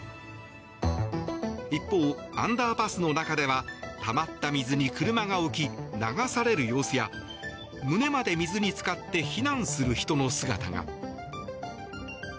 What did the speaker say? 一方、アンダーパスの中ではたまった水に車が浮き流される様子や胸まで水に浸かって避難する人の姿が。